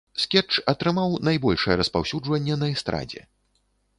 Скетч атрымаў найбольшае распаўсюджванне на эстрадзе.